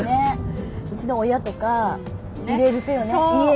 うちの親とか入れるとよね家に。